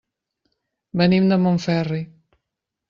Venim de Montferri.